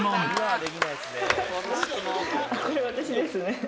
あっ、これ私ですね。